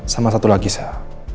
sama satu lagi sah